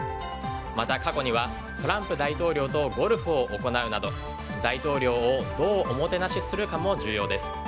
また過去にはトランプ大統領とゴルフを行うなど大統領をどうおもてなしするかも重要です。